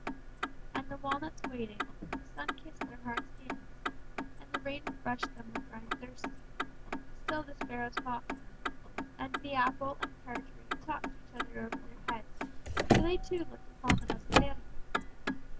"And the walnuts waited, and the sun kissed their hard skins, and the rain refreshed them when dry and thirsty; and still the sparrows mocked them, and the apple and pear tree talked to each other over their heads, for they too looked upon them as a failure.